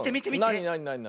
なになになになに？